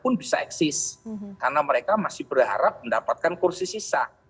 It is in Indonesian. pun bisa eksis karena mereka masih berharap mendapatkan kursi sisa